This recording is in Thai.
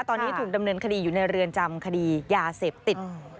ตอนนี้ถูกดำเนินคดีอยู่ในเรือนจำคดียาเสพติด